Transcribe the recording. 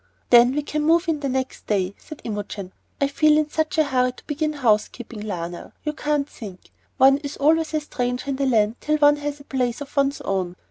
"Then we can move in the next day," said Imogen. "I feel in such a hurry to begin house keeping, Lionel, you can't think. One is always a stranger in the land till one has a place of one's own.